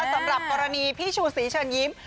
สำหรับกรณีพี่ชุสีฉันยิ้ม